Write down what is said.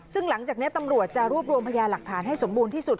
ซึ่งหลังจากนี้ตำรวจจะรวบรวมพยาหลักฐานให้สมบูรณ์ที่สุด